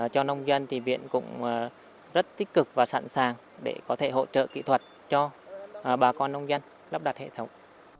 cho nông dân thì viện cũng rất tích cực và sẵn sàng để có thể hỗ trợ kỹ thuật cho bà con nông dân lắp đặt hệ thống